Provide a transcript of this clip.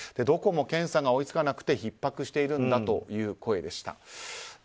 どこも検査が追い付かなくてひっ迫しているんだという声でした。